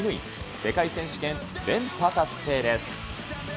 世界選手権連覇達成です。